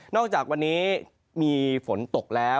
จากวันนี้มีฝนตกแล้ว